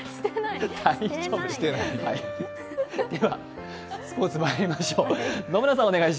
ではスポーツにまいりましょう。